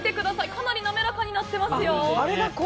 かなり滑らかになっています。